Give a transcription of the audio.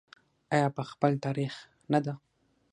آیا په خپل تاریخ نه ده؟